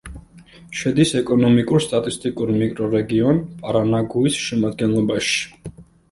შედის ეკონომიკურ-სტატისტიკურ მიკრორეგიონ პარანაგუის შემადგენლობაში.